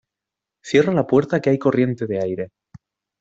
Cierra la puerta que hay corriente de aire.